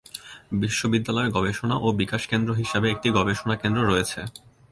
বিশ্ববিদ্যালয়ের গবেষণা ও বিকাশ কেন্দ্র হিসাবে একটি গবেষণা কেন্দ্র রয়েছে।